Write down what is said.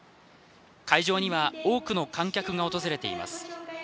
会場には多くの観客が訪れています。